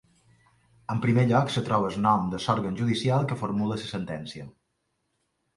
En primer lloc, es troba el nom de l'òrgan judicial que formula la sentència.